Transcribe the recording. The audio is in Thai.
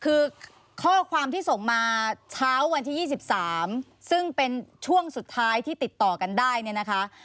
คือข้อความที่ส่งมาเช้าวันที่๒๓ซึ่งเป็นช่วงสุดท้ายที่ติดต่อกันได้เนี่ยนะคะ